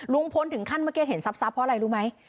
ลุงพลถึงขั้นเมื่อกี้เห็นทรัพย์เพราะอะไรรู้ไหม